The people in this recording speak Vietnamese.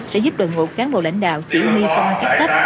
sẽ giúp đồng hộ cán bộ lãnh đạo chỉ nguyên phong án chắc khắc